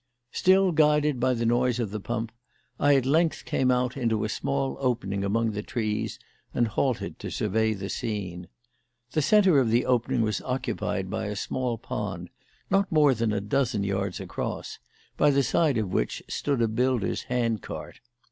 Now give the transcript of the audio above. Still guided by the noise of the pump, I at length came out into a small opening among the trees and halted to survey the scene. The centre of the opening was occupied by a small pond, not more than a dozen yards across, by the side of which stood a builder's handcart.